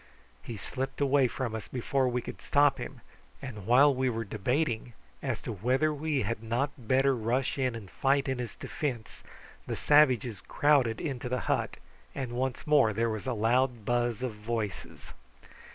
He slipped away from us before we could stop him, and while we were debating as to whether we had not better rush in and fight in his defence, the savages crowded into the hut, and once more there was a loud buzz of voices.